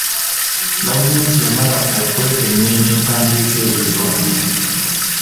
Gavumenti yamala okwekenneenya empandiika ezo zombi.